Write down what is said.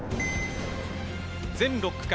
全６区間